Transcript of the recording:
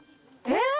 えっ？